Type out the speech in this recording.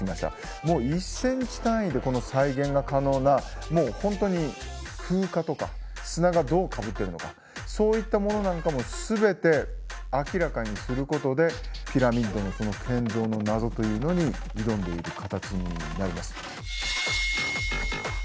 もう１センチ単位でこの再現が可能なもう本当に風化とか砂がどうかぶってるのかそういったものなんかも全て明らかにすることでピラミッドのこの建造の謎というのに挑んでいる形になります。